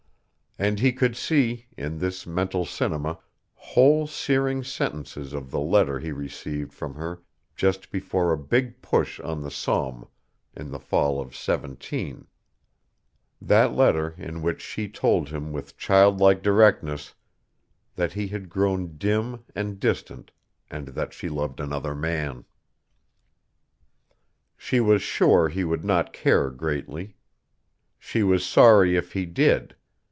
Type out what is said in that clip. And he could see, in this mental cinema, whole searing sentences of the letter he received from her just before a big push on the Somme in the fall of '17 that letter in which she told him with child like directness that he had grown dim and distant and that she loved another man. She was sure he would not care greatly. She was sorry if he did.